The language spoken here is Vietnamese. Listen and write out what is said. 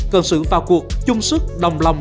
cần sự vào cuộc chung sức đồng lòng